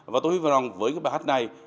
và tôi hy vọng với cái bài hát này